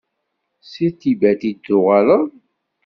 Seg Tibet i d-tuɣaleḍ?